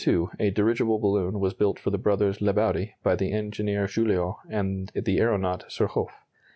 ] In 1902, a dirigible balloon was built for the brothers Lebaudy by the engineer Juillot and the aeronaut Surcouf.